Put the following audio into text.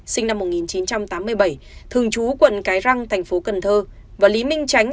sinh năm một nghìn chín trăm tám mươi bảy thường trú quận cái răng thành phố cần thơ và lý minh tránh